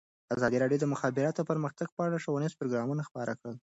ازادي راډیو د د مخابراتو پرمختګ په اړه ښوونیز پروګرامونه خپاره کړي.